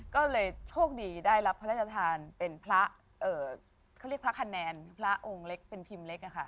ก็เลยโชคดีได้รับพระราชทานเป็นพระเขาเรียกพระคะแนนพระองค์เล็กเป็นพิมพ์เล็กอะค่ะ